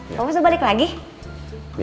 pak bos udah balik lagi